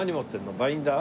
バインダー？